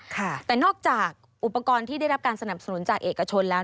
แต่นอกจากอุปกรณ์ที่ได้รับการสนับสนุนจากเอกชนแล้ว